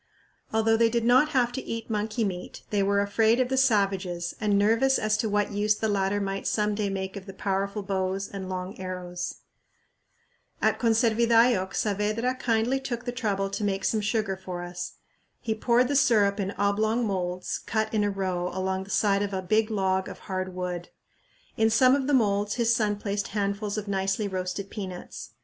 Although they did not have to eat monkey meat, they were afraid of the savages and nervous as to what use the latter might some day make of the powerful bows and long arrows. At Conservidayoc Saavedra kindly took the trouble to make some sugar for us. He poured the syrup in oblong moulds cut in a row along the side of a big log of hard wood. In some of the moulds his son placed handfuls of nicely roasted peanuts.